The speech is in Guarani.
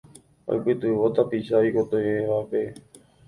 oipytyvõ tapicha oikotevẽvape